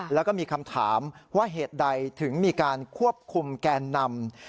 แล้วก็มีคำถามว่าเหตุใดถึงมีการควบคุมแกนนำ